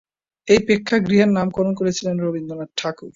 এই প্রেক্ষাগৃহের নামকরণ করেছিলেন রবীন্দ্রনাথ ঠাকুর।